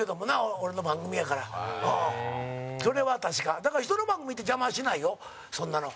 だから、人の番組行って邪魔しないよ、そんなの。